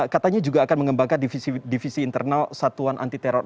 katanya juga akan mengembangkan divisi internal satuan anti teror